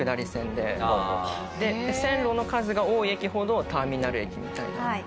で線路の数が多い駅ほどターミナル駅みたいな感じ。